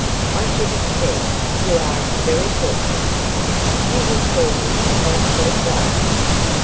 "I should have said, you are very thoughtful. You will call me if I sleep late?"